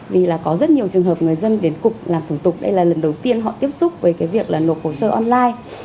vì là có rất nhiều trường hợp người dân đến cục làm thủ tục đây là lần đầu tiên họ tiếp xúc với cái việc là nộp hồ sơ online